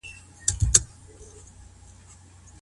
زه پرون د سبا لپاره د سبا پلان جوړوم وم.